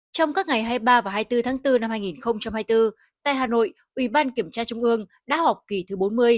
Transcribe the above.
trong các ngày hai mươi ba và hai mươi bốn tháng bốn năm hai nghìn hai mươi bốn tại hà nội ủy ban kiểm tra trung ương đã họp kỳ thứ bốn mươi